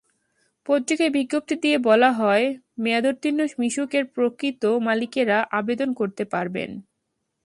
পত্রিকায় বিজ্ঞপ্তি দিয়ে বলা হয়, মেয়াদোত্তীর্ণ মিশুকের প্রকৃত মালিকেরা আবেদন করতে পারবেন।